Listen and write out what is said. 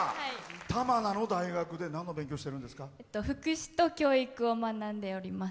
玉名の大学で福祉と教育を学んでおります。